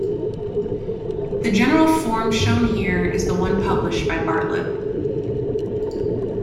The general form shown here is the one published by Bartlett.